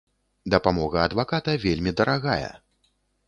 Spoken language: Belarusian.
Дапамога адваката вельмі дарагая.